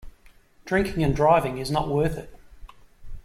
Drinking and driving is not worth it.